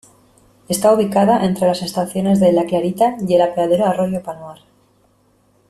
Está ubicada entre las estaciones de La Clarita y el Apeadero Arroyo Palmar.